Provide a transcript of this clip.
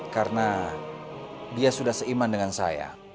karena dia sudah seiman dengan saya